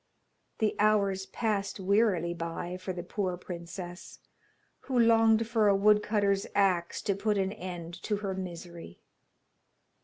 The hours passed wearily by for the poor princess, who longed for a wood cutter's axe to put an end to her misery.